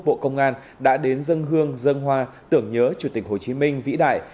bộ công an đã đến dân hương dân hoa tưởng nhớ chủ tịch hồ chí minh vĩ đại